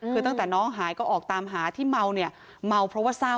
คือตั้งแต่น้องหายก็ออกตามหาที่เมาเนี่ยเมาเพราะว่าเศร้า